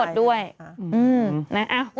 มีถ่ายทอดสดด้วย